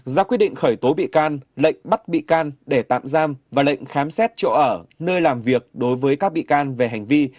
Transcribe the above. ra quyết định khởi tố bị can lệnh bắt bị can để tạm giam và lệnh khám xét chỗ ở nơi làm việc đối với các bị can về hành vi